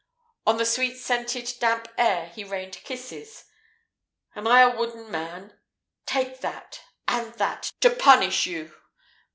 On the sweet scented, damp hair he rained kisses. "Am I a wooden man? Take that and that, to punish you!